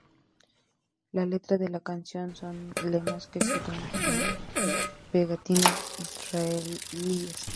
La letra de la canción son lemas que se ven en pegatinas israelíes.